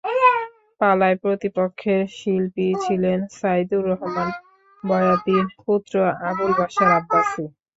পালায় প্রতিপক্ষের শিল্পী ছিলেন সাইদুর রহমান বয়াতির পুত্র আবুল বাশার আব্বাসী।